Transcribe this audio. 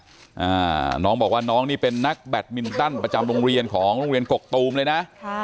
อ่าน้องบอกว่าน้องนี่เป็นนักแบตมินตันประจำโรงเรียนของโรงเรียนกกตูมเลยนะค่ะ